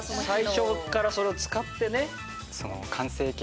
最初からそれを使ってね。